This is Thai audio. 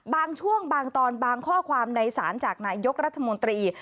บางช่วงบางตอนบางข้อความในสารจากนายกรัฐมนตรี